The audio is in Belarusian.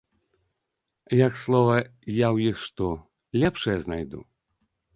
Як слова я ў іх што лепшае знайду?